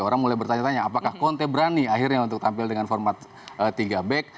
orang mulai bertanya tanya apakah conte berani akhirnya untuk tampil dengan format tiga back